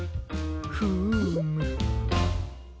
フーム。